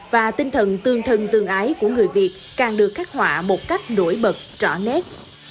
và tinh thần tương thân tương ái của người việt càng được khắc họa một cách nổi bật rõ nét